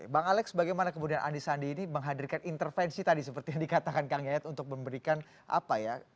bang alex bagaimana kemudian andi sandi ini menghadirkan intervensi tadi seperti yang dikatakan kang yayat untuk memberikan apa ya